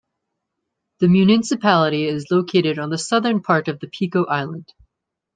The municipality is located is on the southern part of the Pico Island.